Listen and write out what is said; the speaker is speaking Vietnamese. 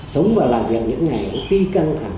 sống và làm việc những ngày tuy căng thẳng